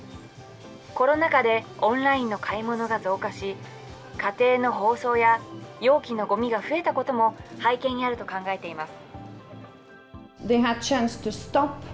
コロナ禍でオンラインの買い物が増加し、家庭の包装や容器のごみが増えたことも、背景にあると考えています。